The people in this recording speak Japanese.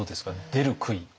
出る杭。